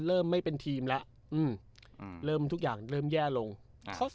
เริ่มไม่เป็นทีมแล้วอืมอืมเริ่มทุกอย่างเริ่มแย่ลงอ่า